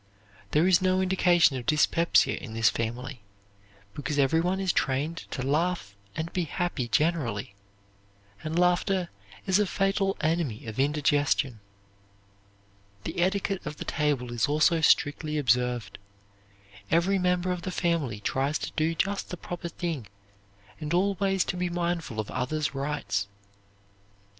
There is no indication of dyspepsia in this family, because every one is trained to laugh and be happy generally, and laughter is a fatal enemy of indigestion. The etiquette of the table is also strictly observed. Every member of the family tries to do just the proper thing and always to be mindful of others' rights.